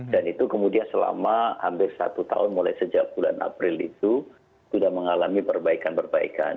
dan itu kemudian selama hampir satu tahun mulai sejak bulan april itu sudah mengalami perbaikan perbaikan